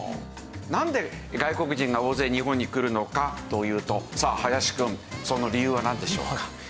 なんで外国人が大勢日本に来るのかというとさあ林くんその理由はなんでしょうか？